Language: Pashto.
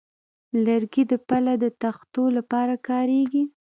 لرګی د پله د تختو لپاره کارېږي.